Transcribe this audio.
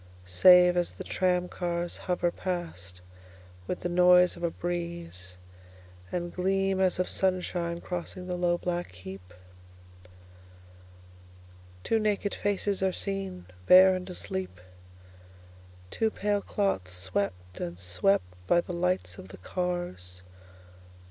Save, as the tram cars hoverPast with the noise of a breezeAnd gleam as of sunshine crossing the low black heap, Two naked faces are seenBare and asleep, Two pale clots swept and swept by the light of the cars.